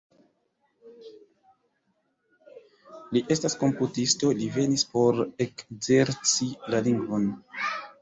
Li estas komputisto, li venis por ekzerci la lingvon.